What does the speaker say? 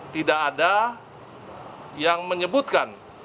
tidak ada yang menyebutkan